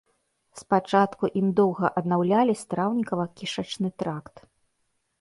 Спачатку ім доўга аднаўлялі страўнікава-кішачны тракт.